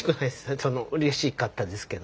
そのうれしかったですけど。